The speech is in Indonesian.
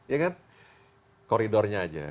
ya kan koridornya aja